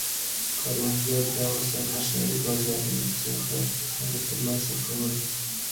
کروندګرو دا وسایل د ښاري بازارونو څخه څنګه ترلاسه کول؟